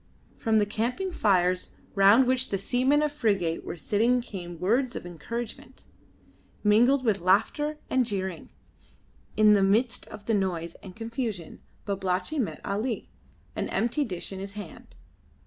From the camping fires round which the seamen of the frigate were sitting came words of encouragement, mingled with laughter and jeering. In the midst of this noise and confusion Babalatchi met Ali, an empty dish in his hand.